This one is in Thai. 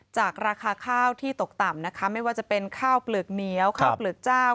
จากราคาข้าวที่ตกต่ำนะคะไม่ว่าจะเป็นข้าวเปลือกเหนียวข้าวเปลือกเจ้า